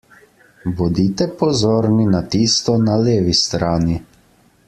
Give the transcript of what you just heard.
Bodite pozorni na tisto na levi strani.